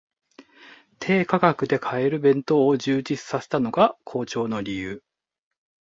低価格で買える弁当を充実させたのが好調の理由